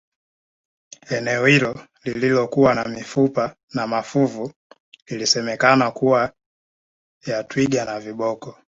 eneo hilo lililokuwa na mifupa na mafuvu ilisemekana kuwa ya twiga na viboko